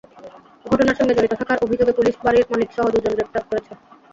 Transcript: ঘটনার সঙ্গে জড়িত থাকার অভিযোগে পুলিশ বাড়ির মালিকসহ দুজনকে গ্রেপ্তার করেছে।